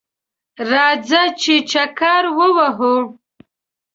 راځه ! چې چکر ووهو